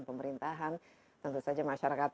pemerintahan tentu saja masyarakat